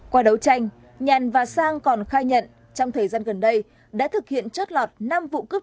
qua đấu tranh nhàn và sang còn khai nhận trong thời gian gần đây đã thực hiện chót lọt năm vụ cướp